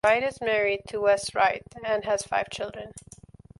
Wright is married to Wes Wright and has five children.